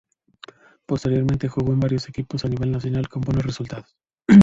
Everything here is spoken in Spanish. Posteriormente jugó en varios equipos a nivel nacional con buenos resultados.